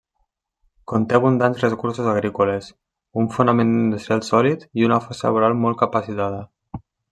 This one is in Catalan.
Conté abundants recursos agrícoles, un fonament industrial sòlid, una força laboral molt capacitada.